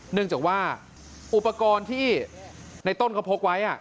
เนื่องจากว่าอุปกรณ์ที่ในต้นเขาพกไว้